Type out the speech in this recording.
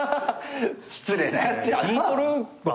失礼なやつやな。